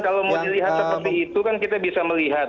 kalau mau dilihat seperti itu kan kita bisa melihat